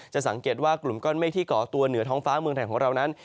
สังเกตว่ากลุ่มก้อนเมฆที่เกาะตัวเหนือท้องฟ้าเมืองไทยของเรานั้น